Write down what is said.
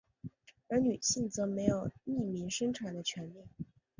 而女性则没有匿名生产的权力。